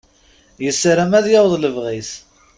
Yessaram ad yaweḍ lebɣi-s.